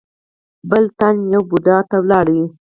بل تن يوه بوډا ته ولاړ و.